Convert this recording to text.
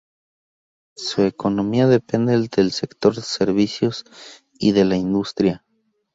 Su economía depende del sector servicios y de la industria.